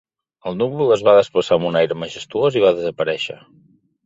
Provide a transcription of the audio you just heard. El núvol es va desplaçar amb un aire majestuós i va desaparèixer.